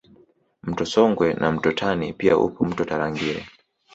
Mto Songwe na mto Tani pia upo mto Tarangire